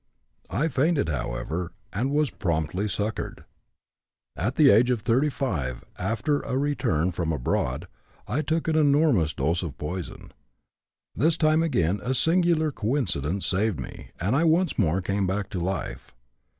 I fainted, however, and was promptly succored. At the age of 35, after a return from abroad, I took an enormous dose of poison. This time again a singular coincidence saved me, and I once more came back to life.